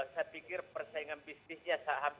saya pikir persaingan bisnisnya